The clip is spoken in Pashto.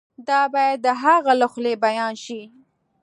دا باید د هغه له خولې بیان شي.